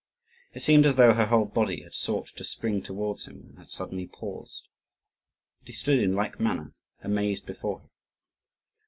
It seemed as though her whole body had sought to spring towards him, and had suddenly paused. And he stood in like manner amazed before her.